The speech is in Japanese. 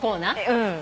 うん。